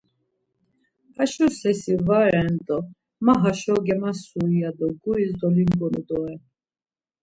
Haşo sersi va ren do ma heşo gemasui ya do guris dolingonu doren.